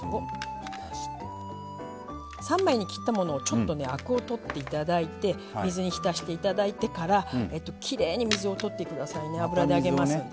３枚に切ったものをちょっとねアクを取っていただいて水に浸していただいてからきれいに水を取ってくださいね油で揚げますので。